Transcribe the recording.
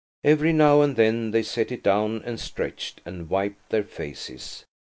Every now and then they set it down and stretched, and wiped their faces.